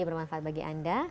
bermanfaat bagi anda